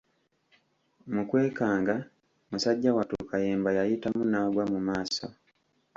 Mu kwekanga musajja wattu Kayemba yayitamu n’agwa mu maaso.